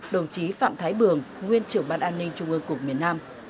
đồng chí phạm thái bường nguyên trưởng ban an ninh trung ương cục miền nam